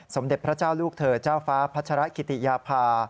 สมเด็จพระเจ้าลูกเธอเจ้าฟ้าพัชรกิติยาภา